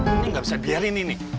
ini nggak bisa biarin ini